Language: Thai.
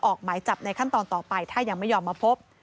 ออกหมายจับในขั้นตอนต่อไปถ้ายังไม่ยอมมาพบ